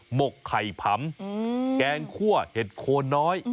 หกไข่ผำแกงคั่วเห็ดโคนน้อย